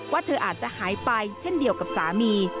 เธออาจจะหายไปเช่นเดียวกับสามี